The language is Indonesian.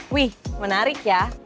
wih menarik ya